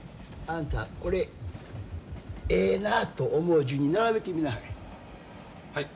あんたこれええなと思う順に並べてみなはれ。